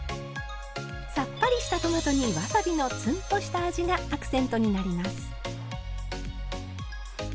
さっぱりしたトマトにわさびのツンとした味がアクセントになります。